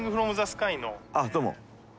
あっどうも。